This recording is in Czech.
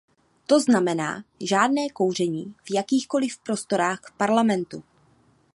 To znamená žádné kouření v jakýchkoliv prostorách Parlamentu.